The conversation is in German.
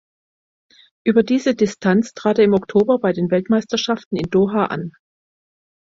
Über diese Distanz trat er im Oktober bei den Weltmeisterschaften in Doha an.